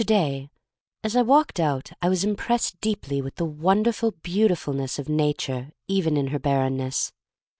TO DAY as I walked out I was impressed deeply with the won derful beautifulness of Nature even in her barrenness.